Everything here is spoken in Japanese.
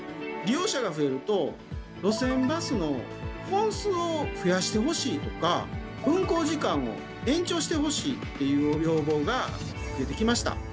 利用者が増えると路線バスの本数を増やしてほしいとか運行時間を延長してほしいっていう要望が増えてきました。